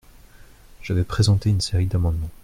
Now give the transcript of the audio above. Je vais présenter une série d’amendements.